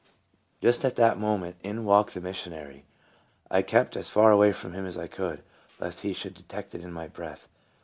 Just at that moment in walked the mission ary. I kept as far away from him as I could, lest he should detect it in my breath.